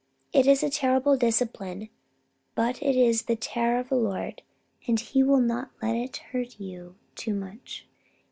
It is a terrible discipline, but it is the terror of the Lord, and He will not let it hurt you too much.